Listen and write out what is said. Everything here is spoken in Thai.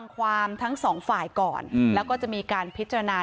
ก่อนแล้วก็จะมีการพิจารณา